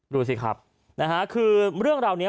ดูสิครับนะฮะคือเรื่องราวนี้